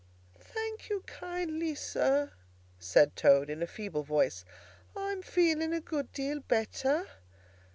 "Thank you kindly, Sir," said Toad in a feeble voice, "I'm feeling a great deal better!"